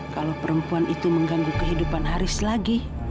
kalau perempuan itu mengganggu kehidupan haris lagi